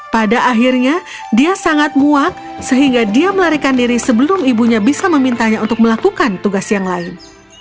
pada akhirnya dia sangat muak sehingga dia melarikan diri sebelum ibunya bisa memintanya untuk melakukan tugas yang lain